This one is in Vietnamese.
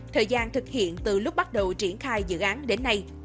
thời gian thực hiện từ lúc bắt đầu triển khai dự án đến nay